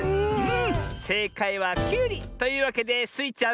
せいかいはきゅうり！というわけでスイちゃん